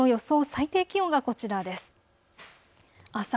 最低気温がこちらです。